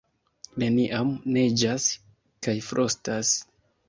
Neniam neĝas kaj frostas.